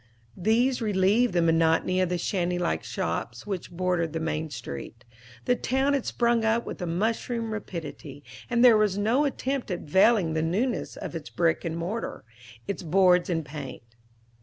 These relieved the monotony of the shanty like shops which bordered the main street. The town had sprung up with a mushroom rapidity, and there was no attempt at veiling the newness of its bricks and mortar, its boards and paint.